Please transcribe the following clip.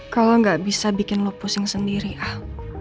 kalau gak bisa bikin lo pusing sendiri al